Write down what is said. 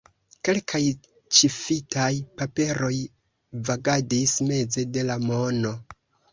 Kelkaj ĉifitaj paperoj vagadis meze de la mono.